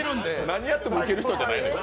何やってもウケる人じゃないのよ。